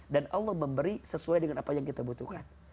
dan allah memberi sesuai dengan apa yang kita butuhkan